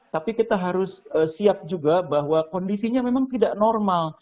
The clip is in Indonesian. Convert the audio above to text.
tapi kita harus siap juga bahwa kondisinya memang tidak normal